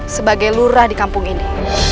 sebagai lurah di kampung ini